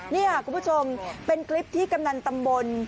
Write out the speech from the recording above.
นี่ค่ะคุณผู้ชมเป็นคลิปที่กำนันตำบล